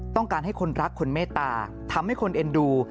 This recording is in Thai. ต้องการให้คนรักคนเมตตาทำให้คนเอ็นดู